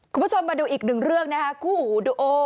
คุณผู้ชมมาดูอีกหนึ่งเรื่องคู่โดโอ